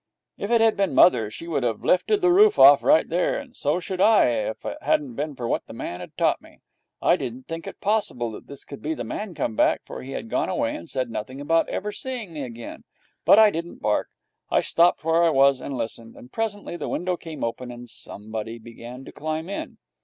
If it had been mother, she would have lifted the roof off right there, and so should I, if it hadn't been for what the man had taught me. I didn't think it possible that this could be the man come back, for he had gone away and said nothing about ever seeing me again. But I didn't bark. I stopped where I was and listened. And presently the window came open, and somebody began to climb in.